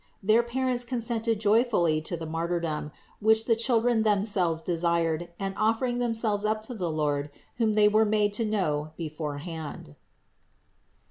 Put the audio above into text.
Their parents consented joyfully to the martyr dom, which the children themselves desired and offering themselves up to the Lord, whom they were made to know beforehand.